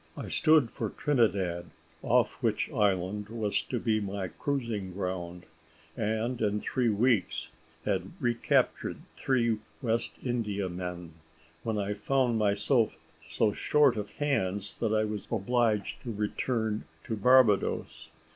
I stood for Trinidad, off which island was to be my cruising ground, and in three weeks had recaptured three West Indiamen; when I found myself so short of hands, that I was obliged to return to Barbadoes.